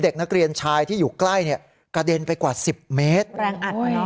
เด็กนักเรียนชายที่อยู่ใกล้เนี่ยกระเด็นไปกว่าสิบเมตรแรงอัดเนอะ